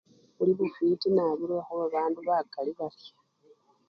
Blibifwiti nabi lwekhuba bandu bakali barya.